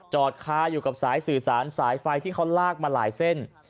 คาอยู่กับสายสื่อสารสายไฟที่เขาลากมาหลายเส้น